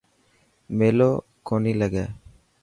ميلو ڪونهي لگي.